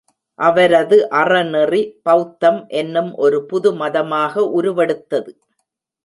அவரது அறநெறி பெளத்தம் என்னும் ஒரு புது மதமாக உருவெடுத்தது.